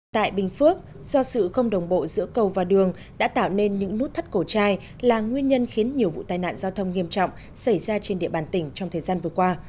tại bình phước do sự không đồng bộ giữa cầu và đường đã tạo nên những nút thắt cổ trai là nguyên nhân khiến nhiều vụ tai nạn giao thông nghiêm trọng xảy ra trên địa bàn tỉnh trong thời gian vừa qua